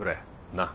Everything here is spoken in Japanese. なっ？